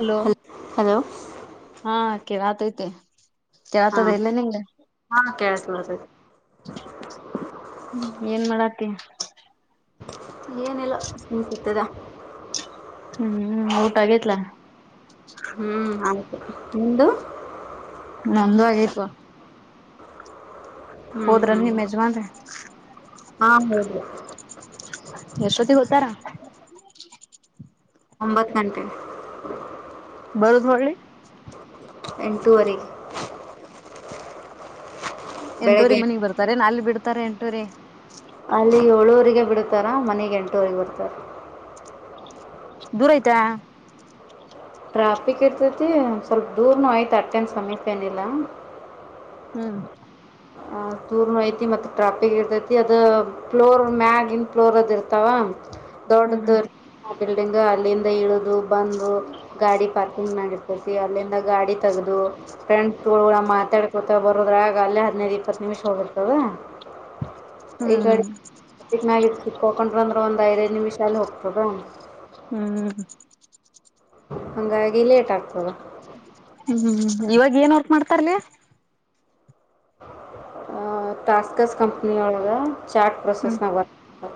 Hello ಹಲ್ hello ಹಾಕೆ ರತೈತೆ ಹಾ ಹಾ ಕಳ್ಲ ಹ್ಮ್ ಏನ್ ಮಾಡಾತ್ತ ಏನೆಲ್ಲ ಸಮಿಸದ ಹ್ಮ್್ಮ್ ಊಟಗತ್ಲ ಮುಂದು ನಂದು ಆಗೈತವಾ ಹ್ಮ್ ಹ್ಮ್ ನಿಮ್ ಯಜಮಾನ್ರ ಹಾ ಹೌದು ಎಷ್ಟಪತಿ ಗೊತ್ತಾರ ಒಂಬತ್ ಗಂಟೆ ಬರುದು್ ಹೊಳ್ಳಿ ಎಂಟುವರಿ ಎಂಟುವರೆ ಮನಗ್ ಬರ್ತಾರೆ ನಲ್ಲಿ ಬಿಡ್ತಾರೆ ಎಂಟವರೆ ಅಲ್ಲಿ ಏಳೂುವರಿಗೆ ಬಿಡ್ತಾರಾ ಮನೆಗೆ ಎಂಟೂುವರಿಗೆ ಬಿಡ್ತಾರೆ ದೂರ ಆಯ್ತಾ ಟ್ರಾಫಿಕ್ ಇರ್ತತಿ ಸ್ವಲ್ಪ ದೂರ್ನ ಆಯ್ತು ಅಟ್ಟೆನ್ ಸಮೀಪ ಏನಿಲ್ಲ ಹ್ಮ್ ಆ ತೂರ್ನ ಐತಿ ಮತ್ತೆ ಟ್ರಾಫಿಿಗೆ ಇರ್ತೈತಿ ಅದು ಫ್ಲೋರ್ ಮ್ಯಾಗಿನ್ ಫ್ಲೋರ್ ಅದು ಇರ್ತಾವ ಹ್ಮ್ ದೊಡ್ಡದು ಹ್ಮ್ ಫಲ್ಡಿಂಗ್ ಅಲ್ಲಿಂದ ಇಳುದು ಬಂದು ಗಾಡಿ ಪಾರ್ಕಿಂಗ್ ನ ಇರ್ತತಿ ಅಲ್ಲಿಂದ ಗಾಡಿ ತಗದು ಫ್ರೆಂಡ್ ಮಾತಾಡ್ಕೊತ ಬರೋದ್ರ ಆಗ ಅಲ್ಲ ಹದಿನೈದು ದ ಇ ನಿಮಿಷ ಹಿರ್ತದೆೊಂಡ ಹ್ಮ್ ಇಂದ್ರ ಒಂದ್ ಐದೈದು ನಿಮಿಷ ಅಲ್ಲಿ ಹೋಗ್ತದಾ ಹ್ಮ್ ಹಾಗಂಗಾಗಿ ಲೇಟ್ ಆಗ್ತದೆ ಹ್ಮ್ ಇವಾಗ ಏನ್ ವರ್ಕ್ ಮಾಡ್ತಾರ್ಲಿ ಟಾಸ್ಕಸ್ ಕಂಪನಿಯಳಗ ಚಾ್ಟ್ ಹ್ಮ್ ಪ್ರೊಸೆಸ್ನಾಗ ಬರ್ ಹ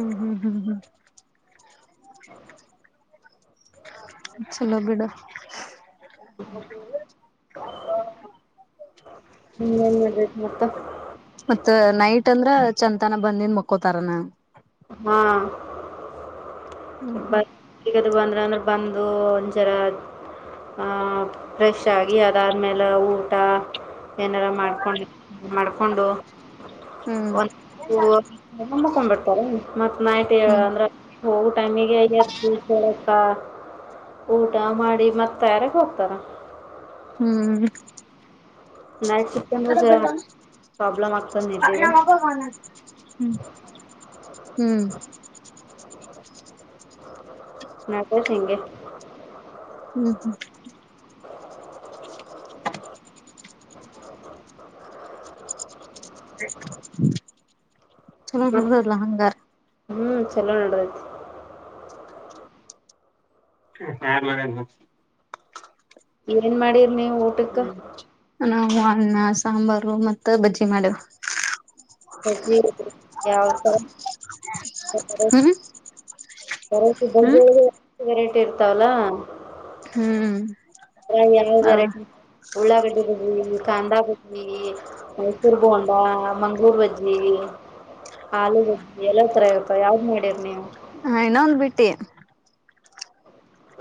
ಹ್ಮ್ ಹ್ಮ್ ಹ್ಮ್ ಹ್ಮ್ ಚಲೋ ಬಿಡ [unintelligible] ಹ್ಮ ಏನ್ ಮದ್ತಿ ಮತ್ತ ಮತ್ತ್ ನೈಟ್ ಅಂದ್ರ ಚಂತಾನ ಬಂದನ್ ಮುಕ್ಕೋತಾರನ ಹ್ಮ ಹ್ಮ್ ಬ ಈಗದು ಬಂದ್ರೆ ಅಂದ್ರೆ ಬಂದು ಒಂದ ಜರ ಆ ಫ್ರೆಶ್ ಆಗಿ ಅದಾದ್ಮೇಲೆ ಊಟ ಏನಾರ ಮಾಡ್ಕೊಂಡು ಮಾಡ್ಕೊಂಡು ಹ್ಮ್ ಂಬಕೊಂಡ್ಬಿಡ್ತಾರೆ ಮತ್ ನಾಯ ಹ್ಮ್ ಅಂದ್ರ ಹೋಗ ಟೈಮಿಗೆ ಎದ್ದಿ ಚಳಕ ಊಟ ಮಾಡಿ ಮತ್ತಯಾರಗ್ ಹೋಗ್ತಾರ ಹ್ಮ್ ನಟ್ ಸಿಂದ್ರರ ಅಬ್ಮ ಹ್ಮ್ [unintelligible] ನಟತ್ ಹೆಂಗೆ ಹ್ಮ್ ಹ್ಮ್ [unintelligible] ಚಲೋ ಮತ್ ನದಲ್ಲ ಅ ಹಕಾರಾರ ಹ್ಮ್ ಚಲೋ ನಡದತಿ ಹಾ ಮ ಏನ್ ಮಾಡಿರ್ನಿ ನಾವು ಹಣ್ಣ ಸಾಂಬಾರು ಮತ್ತ ಬಜ್ಜಿ ಮಾಡೇವ ಯಾವ ವೆರೈಟಿ ಬಜ ಹ್ಮ್ ವೆರೈಟಿ ಇರ್ತಾವಲ್ಲಾ ಹ್ಮ್ ಹಾ ಯಾವ ಅ ವರಟ ಉಳ್ಳಾಗಡ್ಡಿ ಬಜ್ವಿ ಕಾಂದಾ ಬಜ್ಜವಿ ಮೈಸೂರು ಗೋಂಡಾ ಮಂಗಗಳೂರು ಬಜ್ಜಿ ಹಾಾಲಡ್ ಎಲ್ಲ ತರ ಇತ ಯಾವ್ದ್ ಮಾಡಿರ್ ನೀವು ಹ ಇನ್ನೊಂದು್ ಬಿಟ್ಟಿ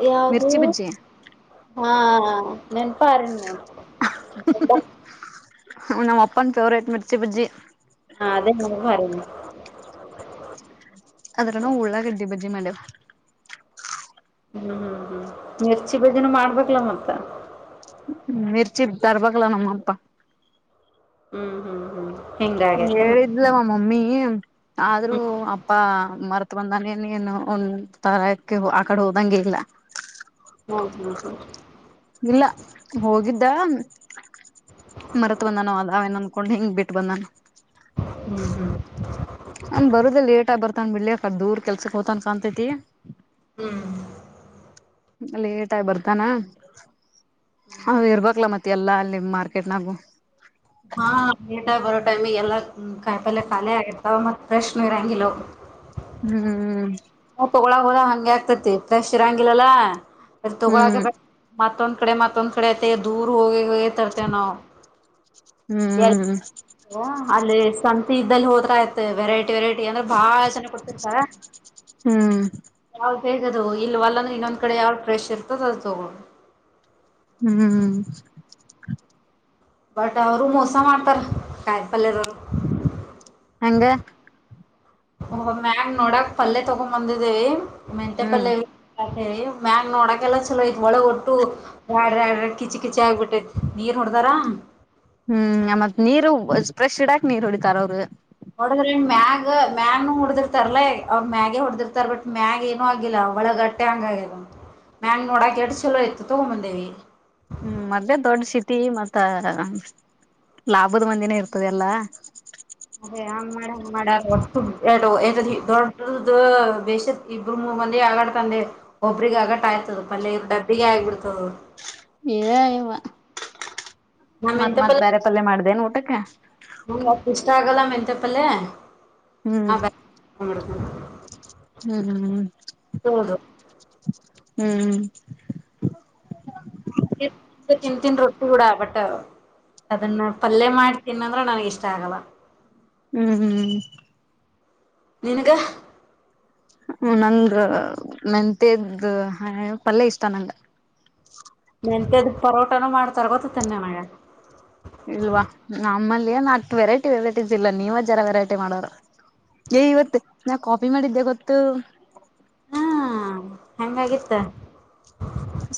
ಯಾವ್ದ ಮಿರ್ಚಿ ಬಜ್ಜಿ ಹಾ ನೆನ್ಪಾರಣೆ [unintelligible] ನಮ್ಮ್ ಅಪ್ಪನ್ ಫೇವ್ರೇಟ್ ಮಿರ್ಚಿ ಬಜ್ಜಿ ಅದ ನ್ೆ ಅದ್ರ ನಾವು ಉಳ್ಳಾಗಡ್ಡಿ ಬಜ್ಜಿ ಮಾಡೇವು ಹ್ಮ್ ಹ್ಮ್ ಹ್ಮ್ ಮಿರ್ಚಿ ಬಜನ ಮಾಡ್ಬೇಕಕ್ಲ ಮತ್ತ ಹ್ಮ್ ಮರ್ಚಿ ತರಬೇಕಕಲ್ಲ ನಮ್ಮ ಅಪ್ಪ ಹ್ಮ್ ಹ್ಮ್ ಹ್ಮ್ ಹಿಂಗಾಗೈತೆನ ಹೇಳಿದ್ಲ್ಲವ ಮಮ್ಮಿ ಆದ್ರೂ ಹ್ಮ್ ಅಪ್ಪ ಮರ್ ಬಂದಾನ ನ್ ಏನು ಒನ್ ತರಕ್ಕೆ ಆ ಕಡೆ ಹೋದಂಗೆ ಇಲ್ಲ ಹ್ಮ್ ಹ್ಮ್ ಇಲ್ಲ ಹೋಗಿದ್ದ ಮರತ್ ಬಂದನ ಅೇನೊಂದ ಕೊಂಡ್ ಹಿಂಗ ಬಿಟ್ಟ ಬಂದಾನ ಹ್ಮ್ ಹ್ಮ್ ಹ ಬರುದ ಲೇಟ್ ಆಗ ಬರ್ತಾನ ಬಿಳಿ ಅ ದೂರ್ ಕೆಲ್ಸಕ್ ಹೋತಾನನ್ ಕಾಣಂತೈತಿ ಹ್ಮ್ ಲೇಟ್ ಆಗಿ ಬರ್ತಾನ ಹ ಇರ್ಬಕ್ಲ ಮತ್ತೆ ಎಲ್ಲಾ ಅಲ್ಲಿ ಮಾರ್ಕೆಟ್ನಾಗು ಹಾ ಏಟ ಬರೋ ಟೈಮಿಗೆ ಎಲ್ಲ ಕಾಯಿ ಪಲ್ೆ ಖಾಲಿ ಆಗತ್ತತ ಮತ್ ಫ್ರೆಶ್ ನೀ ಇರಂಗಿಲ್ಲವ ಹ್ಮ್ ಹೌದಾ ಹಂಗೆ ಆಗ್ತತಿ ಫ್ರೆಶ್ ಇರಂಗಿಲ್ಲಲ್ಲಾ ಅ ಹ್ಮ್ ತಗೊಳಕ ಮತ್ತೊ ಕಡೆ ಮತ್ತೊಂದ ಕಡೆ ಐತೆ ದೂರ್ ಹೋಗಿ ಹೋಗ ತರ್ತೇವೆ ನಾವು ಹ್ಮ್ ಅಲ್ಲಿ ಸಂತ ಇದ್ದಲ್ಲಿ ಹೋದ್ರ ಆತ ವೆರೈಟಿ ವೆರೈಟಿ ಅಂದ್ರೆ ಬಾಳ ಚನ ಕೊಡ್ತಿರ್ತಾರ ಹ್ಮ್ ಯ ಹೇಗದು ಇಲ್ವಲ್ಲ ಅಂದ್ರೆ ಇನ್ನೊಂದ ಕಡೆ ಯಾವ ಫ್ರೆಶ್ ಇರ್ತದ ಅದು ತಗೋು ಹ್ಮ್ ಬಟ್ ಅವರು ಮೋಸ ಮಾಡ್ತಾರ ಕಾಯ ಪಲ್ಯರು ಹಂಗ ಹ ಮ್ಯಾಗ್ ನೋಡಕ್ ಪಲ್ಲೆ ತಗೊಂಡ್ ಬಂದಿದ್ದೇವಿ ಮೆಂತೆೆ ಹ್ಮ್ ಪಲ್ೆ ಮ ಮ್ಯಾಗ್ ನೋಡಕೆಲ್ಲ ಚಲೋ ಐತ್ ಒಳ ಒಟ್ಟು್ಯಾಡಡ ಕಿಚಿ ಕಿಚ ಆಗಿಬಿಟ್ಟೈತ್ ನೀರ್ ನೋಡ್ತಾರ ಹ್ಮ್ ಮತ್ ನೀರು ಫ್ರೆಶ್ ಇಡಾಕ್ ನೀರ್ ಹೊಡಿತಾರ ಅವರು ಹೊಡದ್ರ ಮ್ಯಾಗ್ ಮ್ಯಾಗ್ನು ಹೊಡ್ದಿರ್ತಾರಲ್ಲೇ ಅವ್ರ ಮ್ಯಾಗೆ ಹೊಡ್ದಿರ್ತಾರ ಬಟ್ ಮ್ಯಾಗ್ ಏನು ಆಗಿಲ್ಲ ಅವ ಒಳಗಟ್ಟೆ ಹಂಗ ಆಗದ ಮ್ಯಾಲ್ ನೋಡಾಕ ಎಡ ಚಲೋ ಇತ್ತು ತಗೊಂಬಂದೇವಿ ತಿ ಮತ್ತ ಲಾಭದ ಮಂದಿನ ಇರ್ತದೆಲ್ಲಾ ಅದೇ ಹಂಗ ಮಾಡ್ಯಾರ ಹಂಗ ಮಾಡ್ಯಾರ ಒಟ್ಟುದು ಎ ದೊಡ್ಡದು ಬೇಶನ ಇಬ್ಬರು ಮೂರಮಂದಿ ಆಗಾತಂದೆ ಒಬ್ಬರಿಗೆ ಆಗಾಟ ಆತ ತದ ಪಲ್ಯ ಇವರ ಡಬ್ಬಿಗೆ ಆಗ್ ಬಿಡ್ತದ ಎ ಯವ್ವಾ ಟಕ್ ನಾ ಟಕ್ ಮತ್ತ್ ಮೆಂತೆ ಮತ್ತ್ ಪಲ್ಯ ಬೇರೆ ಪಲ್ಲೆ ಮಾಡಿದೆನ ಊಟಕ್ಕ ನಂಗ್ ಅಷ್ಟ್ ಇಷ್ಟ ಆಗಲ್ಲ ಮೆಂತೆ ಪಲ್ಲೆ ಹು ಮಾಡ ಪಾ ಹು ಹು ಹು ಟಕ್ ಹು ಕಿತ ತಿಂತೀನಿ ರೊಟ್ಟಿ ಬಿಡ ಬಟ್ಟವ್ ಅದನ್ನ ಪಲ್ಯ ಮಾಡಿ ತಿನ್ನ ಅಂದ್ರ ನನಗ ಇಷ್ಟ ಆಗಲ್ಲ ಹು ಹು ನಿನಗೆ ಹು ನಂಗ ಹೇಯ್ ಮೆಂತ್ಯದು ಪಲ್ಯ ಇಷ್ಟ ನಂಗ ಮೆಂತ್ಯದ ಪರೋಟಾನು ಮಾಡ್ತಾರ ಗೊತ್ತ ಐತೇನ್ ನಿನಗ ಇಲ್ವಾ ನಮ್ಮಲ್ಲಿ ಎನ ಅಷ್ಟ ವೆರೈಟಿ ವೆರೈಟೀಸ್ ಇಲ್ಲ ನೀವ ಜರ ವೆರೈಟಿ ಮಾಡೋರು ಏ ಇವತ್ತು ನಾ ಕಾಫಿ ಮಾಡಿದ್ದೆ ಗೊತ್ತು ಹಾ ಹಂಗಾಗಿತ್ತ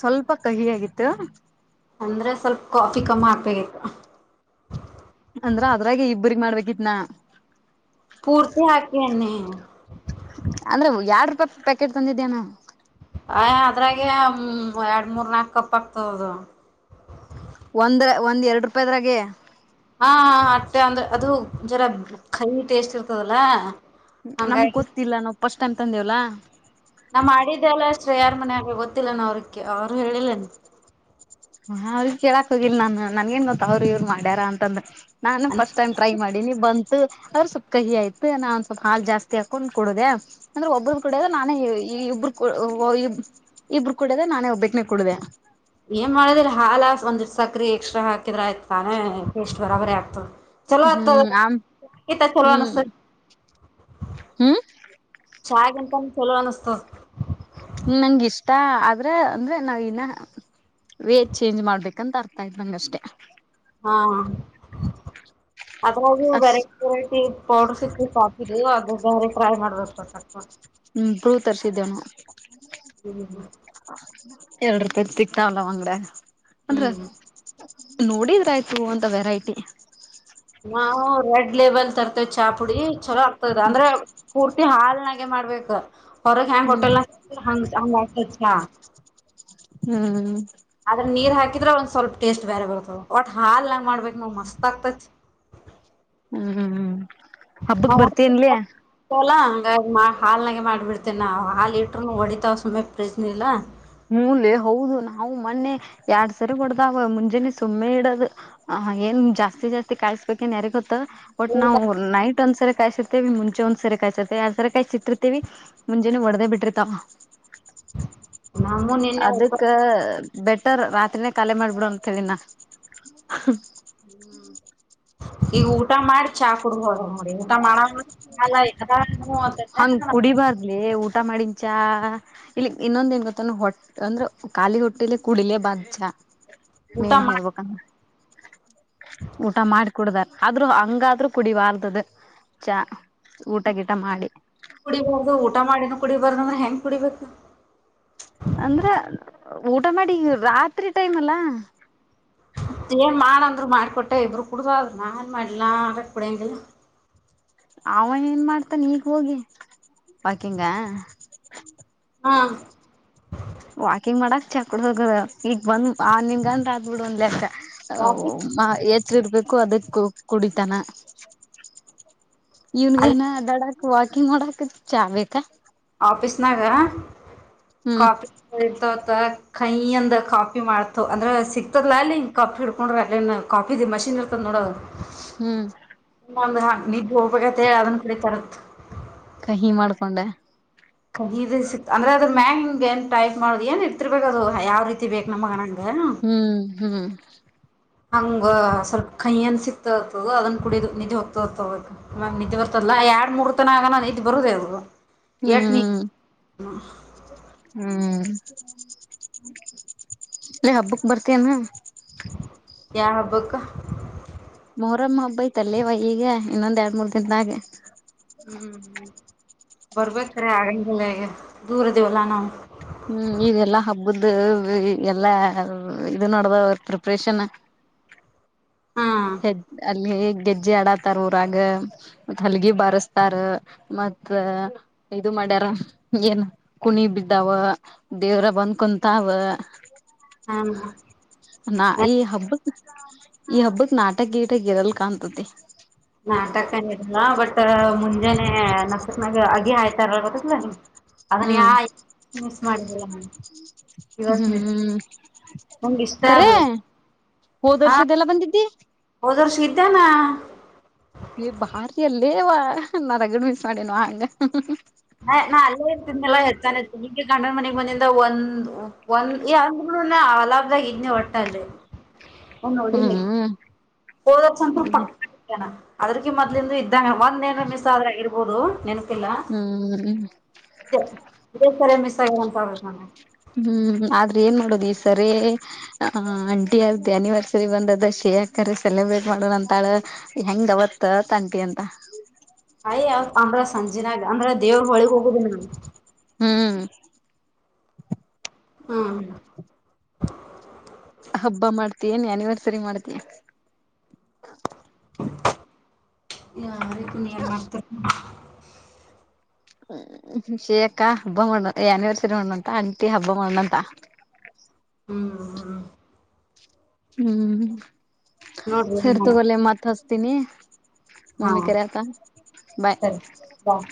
ಸ್ವಲ್ಪ ಕಹಿಯಾಗಿತ್ತು ಅಂದ್ರ ಸ್ವಲ್ಪ ಕಾಫಿ ಕಮ್ಮ ಹಾಕ್ಬೇಕಿತ್ತು ಅಂದ್ರ ಅದ್ರಾಗೆ ಇಬ್ಬರಗ್ ಮಾಡ್ಬೇಕಿತ್ನಾ ಪೂರ್ತಿ ಹಾಕೆನಿ ಅಂದ್ರೆ ಯಾಡ್ರ ರೂಪಾಯಿ ಪ್ಯಾಕೆಟ್ ತಂದಿದ್ಯಾ ನಾ ಅಯ ಅದ್ರಾಗೆ ಹು ಎರಡ್ ಮೂರ್ ನಾಕ್ ಕಪ್ಪ ಆಗ್ತದ ಒಂದ್ರ ಒಂದ್ ಎರಡು ರೂಪಾಯದ್ರಾಗೆ ಹಾ ಹಾ ಹತ್ತ್ಯಾದು ಅದು ಜರಾ ಕಹಿ ಟೇಸ್ಟ್ ಇರ್ತದಲ್ಲ ಪ್ಚ್ ನಮಗ ಹಂಗಾಗಿ ಗೊತ್ತಿಲ್ಲ ನಾವು ಫಸ್ಟ್ ಟೈಮ್ ತಂದೇವಲ್ಲಾ ನಾ ಮಾಡಿದ್ದೆಲ್ಲ ಶ್ರೇಯಾರ ಮನ್ಯಾಗೆ ಗೊತ್ತಿಲ್ಲನ ಅವ್ರಕ್ಕೆ ಅವರಿಕ್ಕೆ ಹೇಳಿಲ್ಲನ ಹಾ ಅವ್ರಿಗೆ ಕೇಳಾಕ್ ಹೋಗಿಲ್ಲ ನಾನ್ ನನ್ಗೇನ್ ಗೊತ್ತ ಅವ್ರ ಇವ್ರು ಮಾಡ್ಯಾರಾ ಅಂತಂದ ನಾನು ಫಸ್ಟ್ ಟೈಮ್ ಟ್ರೈ ಮಾಡಿ ಬ ತ ಆದ್ರು ಸ್ವಲ್ಪ್ ಕಹಿ ಐತ ನಾ ಒಂದ್ ಸ್ವಲ್ಪ ಹಾಲ್ ಜಾಸ್ತಿ ಹಾಕೊಂಡ್ ಕುಡುದೆ ಅಂದ್ರೆ ಒಬ್ಬೊರದ ಕುಡಿಯದ ನಾನೇ ಈ ಇಬ್ರ ಓ ಇಬ್ರು ಇಬರು ಕುಡದೆ ನಾನೇ ಒಬ್ಬಕ್ನೆ ಕುಡದಾ ಏನ್ ಮಾಡದ್ರ ಹಾಲ ಒಂದಿಸ ಸಕ್ರೆ ಎಕ್ಸ್ಟ್ರಾ ಹಾಕಿದ್ರ ಆಯ್ತ ತಾನೇ ಟೇಸ್ಟ್ ಬರಬರಿ ಆಗ್ತದ ಚಲೋ ಆತದ ಹ್ಮ್ ಆಮ್ ಇತಾಗ ಚೊಲೋ ಹ್ಮ್ ಅನಿಸ್ತದ ಹ್ಮ್ ಚಾ ಗಿಂತನು ಚಲೋ ಅನಿಸ್ತದ ಟಕ್ ನಂಗ ಇಷ್ಟ ಆದ್ರೆ ಅಂದ್ರೆ ನಾ ಇನ್ನ ವೇಟ್ ಚೇಂಜ್ ಮಾಡ್ಬೇಕಂತ ಅರ್ಥಆಯತ ನಂಗಷ್ಟೇ ಆ ಡ್ಡ್ ಅದ್ರಾಗೂ ಅಷ್ಟ ವೆರೈಟಿ ವೆರೈಟಿ ಪೌಡರ್ ಸಿಕ್ ಸಾಕಿದ ಅದು ಅವರು ಟ್ರೈ ಮಾಡ್ಬೇಕು ಸ್ವಲ್ಪ ಹು ಕುಳ್ಳು ತರ್ಸಿದ್ದೇನು ಎಲ್ಲಿಗೆ ಎರಡು ರೂಪಾಯದ್ದ ಸಿಕ್ತಾವಲ್ಲ ಅಂಗಡ್ಯಾಗ ಅಂದ್ರೆ ಹ್ಮ್ ನೋಡಿದ್ರ ಆಯ್ತು ಅಂತ ವೆರೈಟಿ ನಾವು ರೆಡ್ ಲೆಬಲ್ ತರ್ತೇವ ಚಾ ಪುಡಿ ಚಲೋ ಆಗ್ತದೆ ಅಂದ್ರೆ ಪೂರ್ತಿ ಹಾಲನ್ನಾಗ ಮಾಡ್ಬೇಕ ಹ್ಹ ಹೊರ ಹ್ಯಾಂಗ ಹ್ಮ್ ಹೋಟೆಲ್ ಕುಡಿತೀರಿ ಹಂಗ್ ಹಂಗ ಅಕ್ಕೆತಿ ಚಾ ಹ್ಮ್ ಆದ್ರ ನೀರ್ ಹಾಕಿದ್ರೆ ಒಂದ್ ಸ್ವಲ್ಪ ಟೇಸ್ಟ್ ಬೇರೆ ಬರ್ತದ ಒಟ್ ಹಾಲ್ ನ್ಯಾಗ ಮಾಡ್ಬಬೇಕ್ ನೋಡ ಮಸ್ತ್ ಆಗ್ತತಿ ಹು ಹು ಹು ಹಬ್ಬಕ್ ಬರ್ತೀಯೆಂಲ್ಲೆ ಹಂಗ ಹಾಲ್ ನಾಗೆ ಮಾಡ್ಬಿಡ್ತೇನೆ ನಾವು ಹಾಲ್ ಇಟ್ಟರು ಹೊಡಿತಾವ ಸುಮ್ಮನೆ ಪ್ರೀಜನ ಇಲ್ಲ ಹುನ್ಲೆ ಹೌದು ನಾವು ಮೊನ್ನೆ ಎರಡ್ ಸರಿ ಕೊಡ್ದಾವ ಮುಂಜಾನೆ ಸುಮ್ಮನೆ ಇಡದು ಹ ಏನ್ ಜಾಸ್ತಿ ಜಾಸ್ತಿ ಕಾಯಸ್ಬೇಕೇನ್ ಯಾರಾರಿಗ ಗೊತ್ತ ಬಟ್ ನಾವು ನೈಟ್ ಒಂದ್ಸರಿ ಕಾಯಿಸ್ತೀರ್ತೀವಿ ಮುಂಚೆ ಒಂದ್ ಸರಿ ಕಾಯಸತಿವಿ ಎರಡ್ ಸರಿ ಕಾಯಿಸಿ ಇರ್ತತಿವಿ ಮುಂಜೆನೆ ಒಡದೇ ಬಿಟ್ಟಿರ್ತಾವ ನಮ್ಮು ನಿನ್ನೆ ಉಪ ಅದಕ್ಕೆ ಬೆಟರ್ ರಾತ್ರಿನೇ ಖಾಲಿ ಮಾಡ್ಬಿಡು ಅಂತ ಹೇಳಿನ ಹ್ಮ್ ಈಗ ಊಟ ಮಾಡಿ ಚಾ ಕುಡ ಹೋ ಹಂಗ್ ಕುಡಿಬಾರ್ಲಿ ಊಟ ಮಾಡದ್ ಚಾ ಇಲ್ಲಿ ಇನ್ನೊಂದ ಏನ್ ಗೊತ್ತ ಹೊಟ್ಟೆ ಅಂದ್ರೆ ಖಾಲಿ ಹೊಟ್ಟೆಲಿ ಕುಡಿಲೆಬಾದ್ ಚಾ ಊಟ ಮೇಲೆ ಮಾಡಿ ಊಟ ಮಾಡಕುಡ್ಡೆ ಆದ್ರರು ಹಂಗಾದ್ರರು ಕುಡಿಬಾರ್ದ್ದ ಚಾ ಮಾಡಿ ಕುಡಿಬಾರದು ಊಟ ಮಾಡಿನ ಕುಡಿಬಾರ್ದಂದ್ರೆ ಹೆಂಗ ಕುಡಿಬೇಕು ಅಂದ್ರ ಊಟ ಮಾಡಿ ರಾತ್ರಿ ಟೈಮ್ ಅಲ್ಲ ಏನ್ ಮಾಡಂದ್ರು ಮಾಡ್ಕೊಟ್ಟೆ ಇಬ್ರು ಕುಡುದರು ನಾನ್ ಮಾಡಿಲ್ಲಾ ಕುಡಂಗಿಲ್ಲ ಅವನ್ ಏನ್ ಮಾಡ್ತಾನ ಈಗ ಹೋಗಿ ವಾಕಿಂಗ್ ಅ ಹಾ ವಾಕಿಂಗ್ ಮಾಡಕ್ ಚಾ ಕುಡ್ದ ಹೋಗೋದು ಈಗ ಬಂದ್ ಮಾರ್ನಿಂಗ್ ಅಂದ್ ರಾತ್ ಬಿಡು ಒಂದ್ ಎಚ್ಚರಇರ್ಬೇಕು ಅದಕ್ ಕುಡಿತನ ಅಲ್ಲಿ ಇವನಿಗೇನು ಅಡಾಡಕ್ ವಾಕಿಂಗ್ ಮಾಡಕ್ ಚಾ ಬೇಕ ಆಫೀಸ್ ನಾಗ ಹ್ಮ್ ಕಾಫಿ ಇರ್ತಾವ ಕೈ ಅಂದ ಕಾಪಿ ಮಾಡ್ತು ಅಂದ್ರೆ ಸಿಕ್ತದಲಾ ಅಲ್ಲಿ ಕಾಫಿ ಹಿಡ್ಕೊಂಡ್ರ ಅಲ್ಲಿ ಕಾಫಿದು ಮಷೀನ್ ನೋಡದ ಹ್ಮ್ ಒಂದ ನಿದ್ದು ಹೋಗ್ಬೇಕತ್ತ ಹೇಳಿ ಅದನ್ ಕಡಿತಾರೆ ಕಹಿ ಮಾಡ್ಕೊಂಡೆ ಕಾಹಿದೆ ಸಿಕ್ತ್ ಅಂದ್ರೆ ಅದ್ರ ಮ್ಯಾಂಗ ಹಿಂಗ ನ್ ಟೈಪ್ ಮಾಡೋದು ಏನ್ ಇರ್ತಿರ್ಬೇಕಕ್ ಅದು ಯಾವ ರೀತಿ ಬೇಕ್ ನಮ್ಗ ಅಂಗ ಹ್ಮ್ ಹ್ಮ್ ಹಂಗ ಸ್ವಲ್ಪ ಕೈಯ್ಯನ್ ಸಿಕ್ತತದ ಅದನ್ ಕುಡಿದು ನಿದ್ದಿ ಹೋಗ್ತತ ಮ ನಿದ್ದಿ ಬರ್ತಲ್ಲ ಎರಡು ಮೂರರ್ತನ ಆಗಣ ನಿದ್ದೆ ಬರುದ ಅವರು ಹ್ಮ್ ಹ್ಮ್ ಲೆ ಹಬ್ಬಕ್ ಬರ್ತೇಹೇನಾ ಯಾವ ಹಬ್ಬಕ್ಕ ಮೊರಮ್ಮ ಹಬ್ಬ ಐತಲ್ಲೇವ ಈಗ ಇನ್ನೊಂದ್ ಎರಡ್ ಮೂರ್ ದಿನದಾಗೆ ಬರ್ಬೇಕರೀ ಆಗೆಲ್ಲಗೆ ದೂರ ಇದೇವಲ್ಲಾ ನಾವು ಹ್ಮ್ ಈಗಲ್ಲಾ ಹಬ್ಬ್ದ ಎಲ್ಲಾ ಇದು ನೆಡೆದವ ಪ್ರಿಪ್ರೇಷನ್ ಹಾ ಹೆ ಅಲ್ಲಿ ಹೇಗೆ ಗೆಜ್ಜೆ ಆಡತಾರ ಊರಾಗ ಹಲಗಿ ಬಾರಸ್ತಾರ ಮತ್ತ ಇದು ಮಾಡ್ಯಾರ ಏನ್ ಕುಣಿ ಬಿದ್ದಾವ ದೇವ್ರ ಬಂದ್ ಕುಂತಾವ ಹಾ ನಾ ಈ ಹಬ್ಬದ ಈ ಹಬ್ಬಕ್ ನಾಟಕ ಗೀಟಕ್ ಇರಲ್ ಕಾಣಂತತಿ ನಾಟಕ ಇರಲ್ಲ ಬಟ್ ಮುಂದ ನಸಕ್ನಾಗ ಅಗಿ ಆಯ್ತಾರ ಗೊತ್ತನಿ ಅದನ್ ಯ ಹ್ಮ್ ಇವಸ್ ಮಿಸ್ ಹ್ಮ್ ನಂಗೆ ಇಷ್ಟ ಕರೆ ಅದು ಹೋದರ್ಷದೆ ಎಲ್ಲ ಬಂದಿದ್ದಿ ಹೋದವರ್ಷ ಇದ್ದಾನ ಹೇ ಬರಿಲೆ ಅವ ನಾನೀಗ್ ಮಿಸ್ ಮಾಡೇನ್ವಾ ಹಂಗ ಹ ನಾ ಅಲ್ಲೇ ಇರ್ತಿದಲ್ಲ ಹತ್ತು ಹನ್ನೆರಡು ದಿನಕೆ ಗಂಡನ ಮನಿಗೆ ಬಂದಿದ್ರೆ ಒಂದ್ ಹೇ ಅಂದುನು ಅಲಾಭ್ದಾಗ ಇದ್ನ ಹೊಟ್ಟಲ್ಲಿ ಹ್ಮ ಓದ ಸ್ಂತಪ ಪಕ್ಕಾನ ಅದ್ರಕ ಮೊದ್ಲಿಂದು ಇದ್ದಂಗ ಒಂದ ಏನ್ ಮಿಸ್ ಆದ್ರ ಇರ್ಬೋದು. ನೆನಪಿಲ್ಲ ಹ್ಮ ಇದೇ ಇದೇ ಸರಿ ಮಿಸ್ ಆಗ್ಯದ ಅಂತ ಆಗ್ಬೇಕ್ ನಂಗ ಹ್ಮ್ ಆದ್ರೆ ಏನ್ ಮಾಡೋದು ಈ. ಸರಿ ಆ ಅಂಟಿ ಅ್ದ ಅನಿವರ್ಸರಿ ಬಂದದ ಶೇಕರೆ ಸೆಲೆಬ್ರೇಟ್ ಮಾಡೋಣ ಅಂತಾಳ. ಹೆಂಗ್ದವತ್ ತಂಟಿ ಅಂತ. ಅಯ ಅಂದ್ರ ಸಂಜೆನಾಗ ಅಂದ್ರ ದೇವ್ರ ಹೊಳಿಗ್ ಹೋಗುದಿ ನಾ. ಹ್ಮ್. ಹ್ಮ್. ಹಬ್ಬ ಮಾಡ್ತ ಏನ್ ಅನಿವರ್ಸರಿ ಮಾಡ್ತ. ಯದ ಪು ನೀ ಏನ್ ಮಾಡ್ತಾರ. ಹ್ಮ್ ಶೇ ಅಕ್ಕ ಹಬ್ಬ ಮಾಡಣ್ಣ ಆನಿವರ್ಸರಿ ಮಣ್ಣಂತ ಅಂಟಿ ಹಬ್ಬ ಮಣ್ಣಂತ. [unintelligible] ಹ್ಮ್ ಹ್ಮ. ಹ್ಮ್ ಸೇರ್ ನೋಡ್ರಿ ತಗೊಳ್ಳೆ ಮತ್ ಹಸ್ತೀನಿ. ಹಾ ಮಮ್ಮಿ ಕ್ಯರ್ತ ಬಾಯ್. ಸರಿ ಬಾಯ್